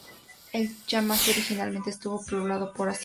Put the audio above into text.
Al Qamishli, originalmente, estuvo poblado por asirios.